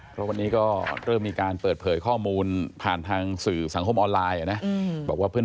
เพราะวันนี้ก็เริ่มมีการเปิดเผยข้อมูลผ่านทางสื่อสังคมออนไลน์